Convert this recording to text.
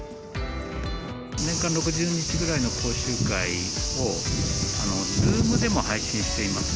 年間６０日ぐらいの講習会を、Ｚｏｏｍでも配信しています。